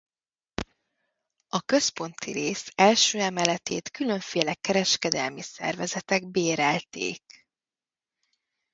A központi rész első emeletét különféle kereskedelmi szervezetek bérelték.